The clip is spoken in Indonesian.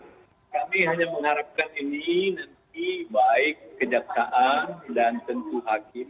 jadi kami hanya mengharapkan ini nanti baik kejaksaan dan tentu hakim